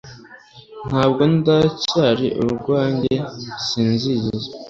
ntabwo ndacyari uwanjye, sinzigera